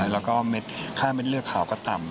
แล้วก็เม็ดค่าเม็ดเลือดขาวก็ต่ำ